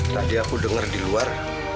tadi aku dengar di luar